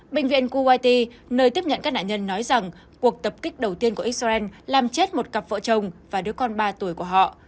bệnh viện kuwaity nơi tiếp nhận các nạn nhân nói rằng cuộc tập kích đầu tiên của israel làm chết một cặp vợ chồng và đứa con ba tuổi của họ